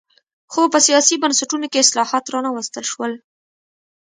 خو په سیاسي بنسټونو کې اصلاحات را نه وستل شول.